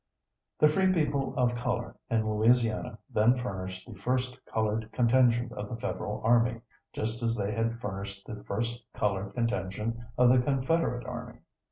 The free people of color in Louisiana then furnished the first colored contingent of the Federal Army, just as they had furnished the first colored contingent of the Confederate Army.